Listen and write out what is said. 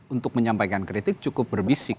untuk menyampaikan kritik cukup berbisik